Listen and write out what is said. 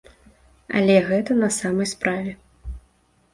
Але гэта на самай справе.